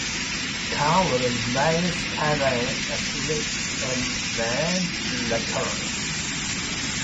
Kean will remain a Skyline affiliate in men's lacrosse.